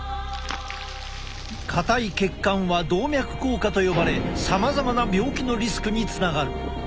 硬い血管は動脈硬化と呼ばれさまざまな病気のリスクにつながる。